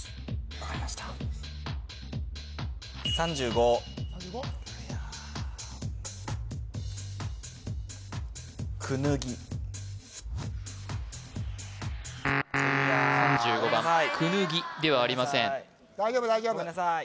分かりましたいやあ３５番くぬぎではありませんごめんなさい